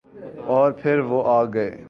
اورپھر وہ آگئے۔